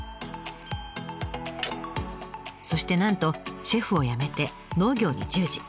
そしてなんとシェフをやめて農業に従事。